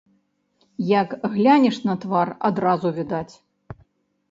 Як глянеш на твар, адразу відаць.